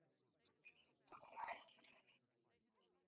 Its ultimate origin is unclear, and several hypotheses have been suggested.